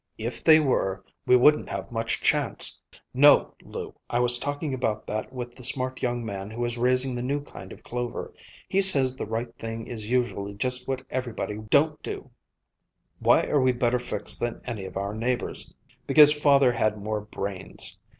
"If they were, we wouldn't have much chance. No, Lou, I was talking about that with the smart young man who is raising the new kind of clover. He says the right thing is usually just what everybody don't do. Why are we better fixed than any of our neighbors? Because father had more brains.